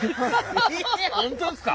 本当ですか？